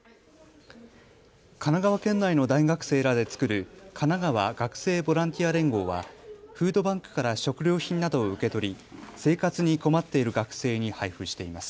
神奈川県内の大学生らで作るかながわ学生ボランティア連合はフードバンクから食料品などを受け取り生活に困っている学生に配布しています。